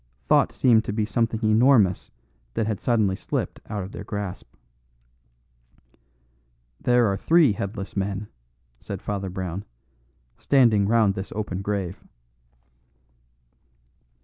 Thought seemed to be something enormous that had suddenly slipped out of their grasp. "There are three headless men," said Father Brown, "standing round this open grave."